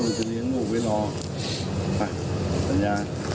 โอเคนะ